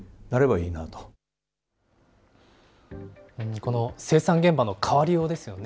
この生産現場の変わりようですよね。